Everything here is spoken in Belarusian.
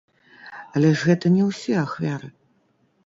Але ж гэта не ўсе ахвяры.